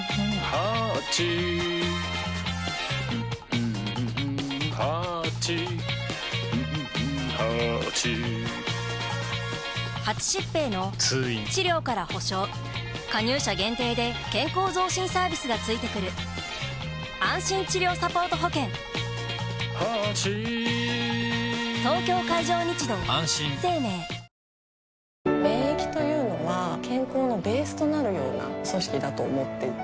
ハッチふふんハッチ８疾病の通院治療から保障加入者限定で健康増進サービスが付いてくるハッチーー東京海上日動あんしん生命免疫というのは健康のベースとなるような組織だと思っていて。